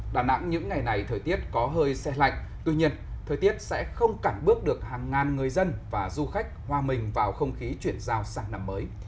đà nẵng những ngày này thời tiết có hơi xe lạnh tuy nhiên thời tiết sẽ không cản bước được hàng ngàn người dân và du khách hòa mình vào không khí chuyển giao sáng năm mới